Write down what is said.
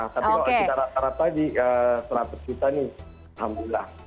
tapi kalau kita rata rata di seratus juta nih alhamdulillah